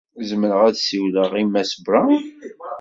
Zemreɣ ad ssiwleɣ ed Mass Brown?